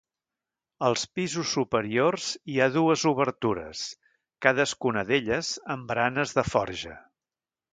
Als pisos superiors hi ha dues obertures, cadascuna d'elles amb baranes de forja.